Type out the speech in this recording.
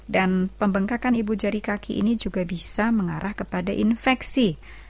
dan pembengkakan ibu jari kaki ini juga bisa mengarah kepada infeksi